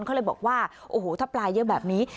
เขาบอกว่าถ้าปลาเหยียวแบบนี้